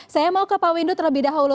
saya mau ke pak windu terlebih dahulu